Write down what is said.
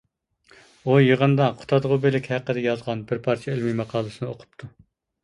ئۇ يىغىدا «قۇتادغۇبىلىك» ھەققىدە يازغان بىر پارچە ئىلمىي ماقالىسىنى ئوقۇپتۇ.